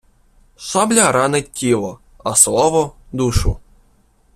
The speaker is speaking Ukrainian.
Шабля ранить тіло, а слово – душу.